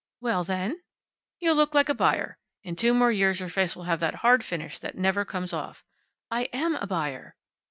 "Well, then?" "You look like a buyer. In two more years your face will have that hard finish that never comes off." "I am a buyer."